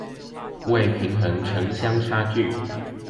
為平衡城鄉差距